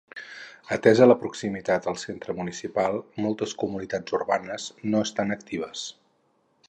Atesa la proximitat al centre municipal, moltes comunitats urbanes no estan actives.